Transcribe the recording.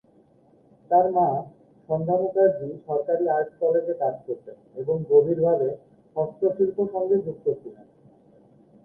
তার মা, সন্ধ্যা মুখার্জী সরকারি আর্ট কলেজে কাজ করতেন এবং গভীর ভাবে হস্তশিল্প সঙ্গে যুক্ত ছিল।